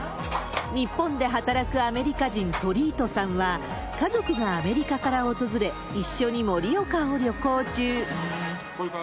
日本で働くアメリカ人、トリートさんは、家族がアメリカから訪れ、一緒に盛岡を旅行中。